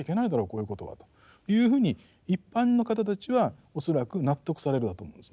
こういうことはというふうに一般の方たちは恐らく納得されるんだと思うんですね。